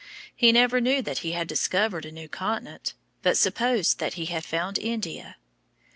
He never knew that he had discovered a new continent, but supposed that he had found India.